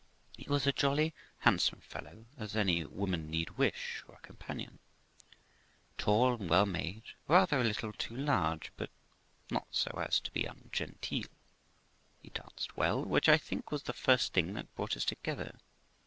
He was a jolly, handsome fellow, as any woman need wish for a companion ; tall and well made ; rather a little too large, but not so as to be ungenteel ; he danced well, which I think was the first thing that brought us together.